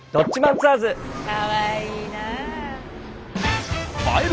かわいいな！